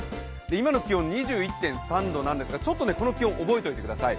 今の気温２１．３度なんですが、ちょっとこの気温覚えておいてください。